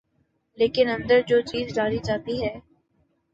لیکن اندر جو چیز ڈالی جاتی ہے۔